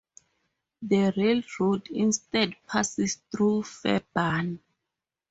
The railroad instead passed through Fairburn.